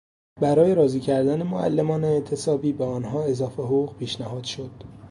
برای راضی کردن معلمان اعتصابی به آنها اضافه حقوق پیشنهاد شد.